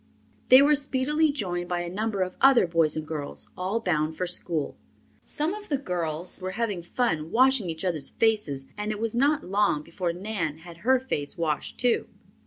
They were speedily joined by a number of other boys and girls, all bound for school. Some of the girls were having fun washing each other's faces and it was not long before Nan had her face washed too.